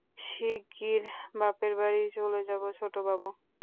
শিগগির বাপের বাড়ি চলে যাব ছোটবাবু।